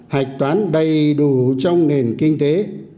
hạch toán đầy đủ trong nền kinh tế